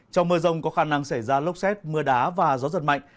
trong mưa rông có khả năng xảy ra lốc xét mưa đá và gió giật mạnh